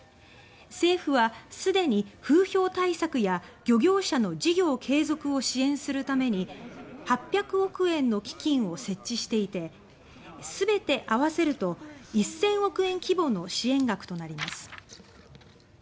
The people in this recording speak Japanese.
政府は、既に風評対策や漁業者の事業継続を支援するために８００億円の基金を設置していて全て合わせると１０００億円規模の支援額となります。